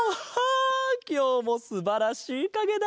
あきょうもすばらしいかげだ